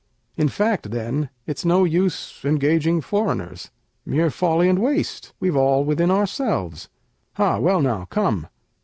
In fact, then, it's no use engaging foreigners; Mere folly and waste, we've all within ourselves. Ah, well now, come!